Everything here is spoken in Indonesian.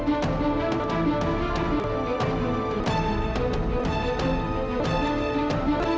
itu harus itu harus